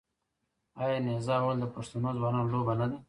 آیا نیزه وهل د پښتنو ځوانانو لوبه نه ده؟